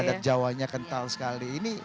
adat jawanya kental sekali